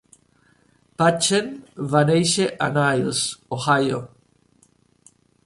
Patchen va néixer a Niles (Ohio).